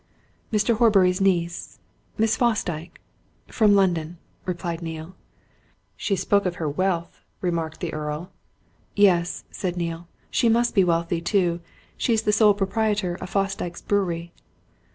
"Mr. Horbury's niece Miss Fosdyke from London," replied Neale. "She spoke of her wealth," remarked the Earl. "Yes," said Neale. "She must be wealthy, too. She's the sole proprietor of Fosdyke's Brewery."